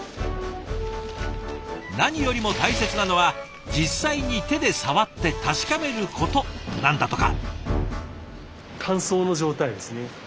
何よりも大切なのは実際に手で触って確かめることなんだとか。